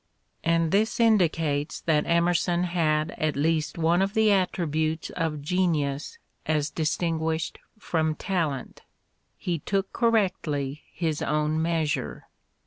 And this indicates that Emerson had at least one of the attributes of genius as distinguished from talent — ^he took correctly his own measure.